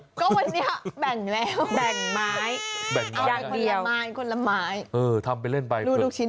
ก็วันนี้แบ่งแล้วแบ่งไม้เอาคนละไม้คนละไม้รูดลูกชิ้นเออทำไปเล่นไป